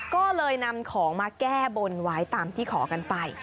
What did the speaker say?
ก็เลยนำของมาแก้บนไว้ตามที่ขอกันไป